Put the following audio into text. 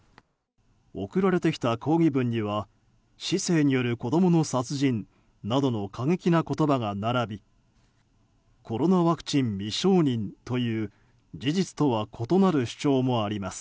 送られてきた抗議文には市政による子供の殺人などの過激な言葉が並びコロナワクチン未承認という事実とは異なる主張もあります。